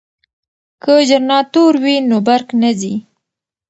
که جنراتور وي نو برق نه ځي.